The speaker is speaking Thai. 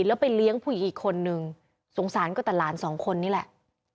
แล้วไปเลี้ยงผู้หญิงอีกคนนึงสงสารก็แต่หลานสองคนนี่แหละ